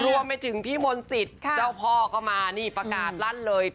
รวมไปถึงพี่มนต์สิทธิ์เจ้าพ่อก็มานี่ประกาศลั่นเลย